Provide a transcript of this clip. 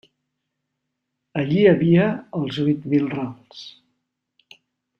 Allí hi havia els huit mil rals.